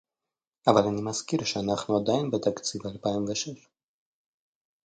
אבל אני מזכיר שאנחנו עדיין בתקציב אלפיים ושש